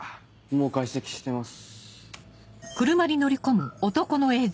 もう解析してます。